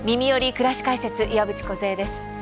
くらし解説」岩渕梢です。